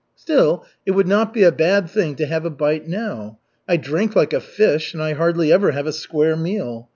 Still it would not be a bad thing to have a bite now. I drink like a fish and I hardly ever have a square meal.